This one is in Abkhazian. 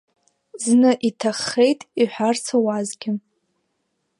Зны иҭаххеит иҳәарц ауазгьы…